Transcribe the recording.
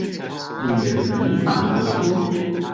令人無法逃脫